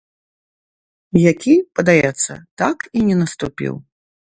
Які, падаецца, так і не наступіў.